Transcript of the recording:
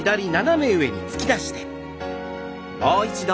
もう一度。